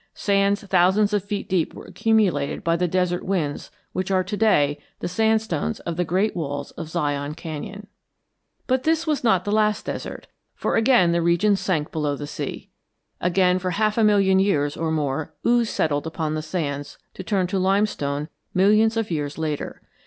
Sands thousands of feet deep were accumulated by the desert winds which are to day the sandstones of the giant walls of Zion Canyon. But this was not the last desert, for again the region sank below the sea. Again for half a million years or more ooze settled upon the sands to turn to limestone millions of years later.